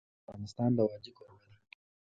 افغانستان د وادي کوربه دی.